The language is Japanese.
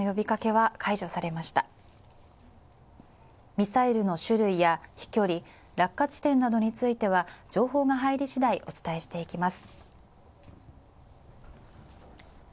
ミサイルの種類や飛距離、落下地点については情報が入りしだいお伝えしていきます。